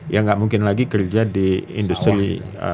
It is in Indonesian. yang gak mungkin lagi kerja di industri